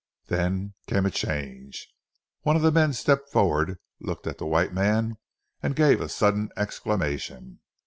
Then came a change. One of the men stepped forward, looked at the white man, and gave a sudden exclamation.